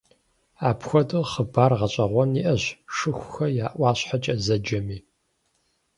Апхуэдэу хъыбар гъэщӏэгъуэн иӏэщ «Шыхухэ я ӏуащхьэкӏэ» зэджэми.